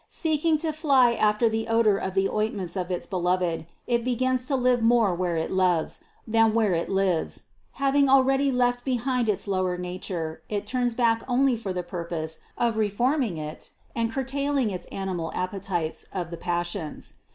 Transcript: Seeking to fly after the odor of the ointments of its Beloved, it begins to live more where it loves, than where it lives. Having already left behind its lower nature, it turns back only for the purpose of reforming it and curtailing its animal appe tites of the passions.